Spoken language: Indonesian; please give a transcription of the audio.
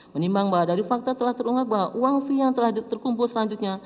menimbang bahwa dari fakta telah teringat bahwa uang fee yang telah terkumpul selanjutnya